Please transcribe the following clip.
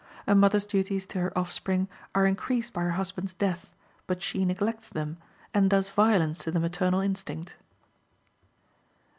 A mother's duties to her offspring are increased by her husband's death, but she neglects them, and does violence to the maternal instinct.